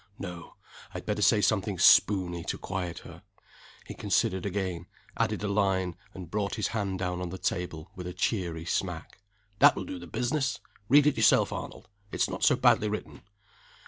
"No; I'd better say something spooney to quiet her." He considered again, added a line, and brought his hand down on the table with a cheery smack. "That will do the business! Read it yourself, Arnold it's not so badly written."